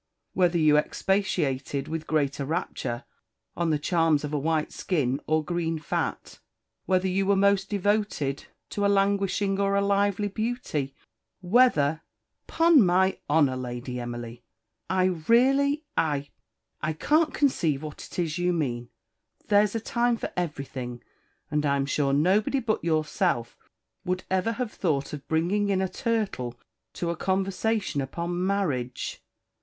_ whether you expatiated with greater rapture on the charms of a white skin or green fat? whether you were most devoted to a languishing or a lively beauty? whether " "'Pon my honour, Lady Emily, I really I I can't conceive what it is you mean. There's a time for everything; and I'm sure nobody but yourself would ever have thought of bringing in a turtle to a conversation upon marriage."